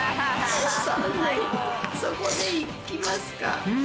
そこでいきますか。